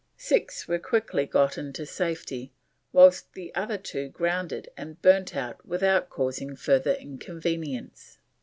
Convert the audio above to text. Six were quickly got into safety, whilst the other two grounded and burnt out without causing further inconvenience.